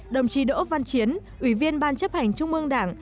đồng chí đỗ văn chiến ủy viên ban chấp hành trung ương đảng